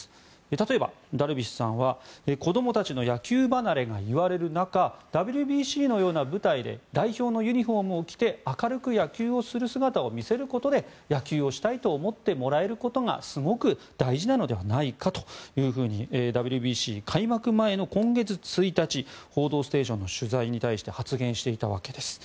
例えば、ダルビッシュさんは子どもたちの野球離れがいわれる中ＷＢＣのような舞台で代表のユニホームを着て明るく野球をする姿を見せることで野球をしたいと思ってもらえることがすごく大事なのではないかとＷＢＣ開幕前の今月１日「報道ステーション」の取材に対して発言していたわけです。